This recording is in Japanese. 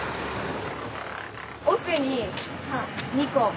奥に２個。